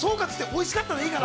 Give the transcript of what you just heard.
◆おいしかった。